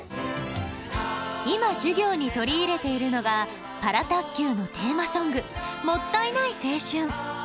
今、授業に取り入れているのが「パラ卓球」のテーマソング「もったいない青春」。